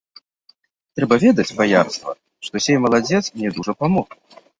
Трэба ведаць, баярства, што сей маладзец мне дужа памог.